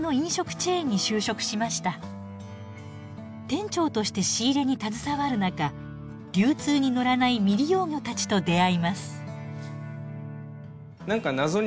店長として仕入れに携わる中流通に乗らない未利用魚たちと出会います。